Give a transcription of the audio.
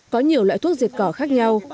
có nhiều loại thuốc diệt cỏ khác nhau